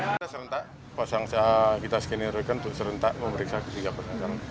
kita serentak pasang kita skenerekan untuk serentak memeriksa ketiga pasangan